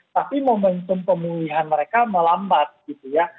tapi momentum pemulihan mereka melambat gitu ya